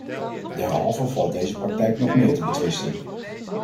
Derhalve valt deze praktijk nog meer te betwisten.